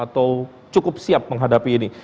dan cukup siap menghadapi ini